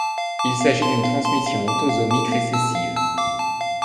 Il s'agit d'une transmission autosomique récessive.